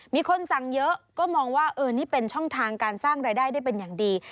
มีคนสั่งเยอะก็มองว่าเออนี่เป็นช่องทางการสร้างรายได้ได้เป็นอย่างดี